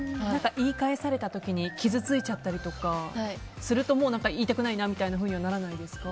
言い返された時に傷ついちゃったりとかすると言いたくないなみたいなふうにはならないですか？